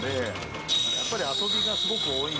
やっぱり。